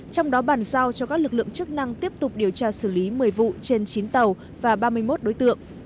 trong đó bàn giao cho các lực lượng chức năng tiếp tục điều tra xử lý một mươi vụ trên chín tàu và ba mươi một đối tượng